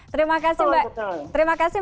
terjadi ya terima kasih